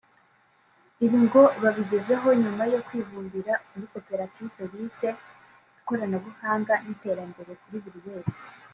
Ibi ngo babigezeho nyuma yo kwibumbira muri koperative bise ‘Ikoranabuhanga n’iterambere kuri buri wese’